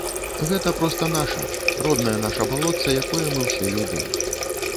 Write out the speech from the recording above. Гэта проста наша, роднае наша балотца, якое мы ўсе любім.